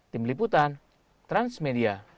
tim liputan transmedia